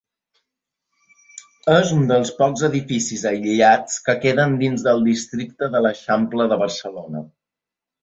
És un dels pocs edificis aïllats que queden dins del districte de l'Eixample de Barcelona.